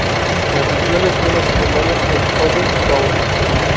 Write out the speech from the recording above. Asistió a la escuela secundaria en Owen Sound.